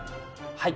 はい。